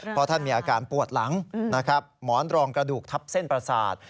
เพราะท่านมีอาการปวดหลังหมอนรองกระดูกทับเส้นปราศาสตร์